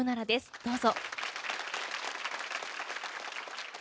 どうぞ。